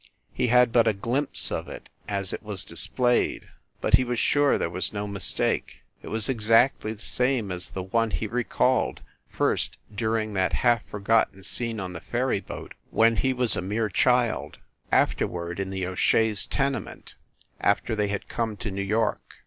He had but a glimpse of it, as it was displayed, but he was sure there was no mistake. It was exactly the same as the one he recalled first, during that half forgotten scene on the ferry boat, when he was a mere child, afterward in the O Shea s tenement, after they had come to New York.